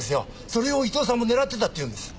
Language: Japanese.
それを伊藤さんも狙ってたって言うんです。